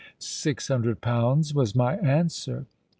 _'—'Six hundred pounds,' was my answer.